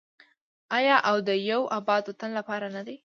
آیا او د یو اباد وطن لپاره نه ده؟